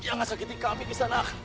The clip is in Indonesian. yang akan sakiti kami kisah nak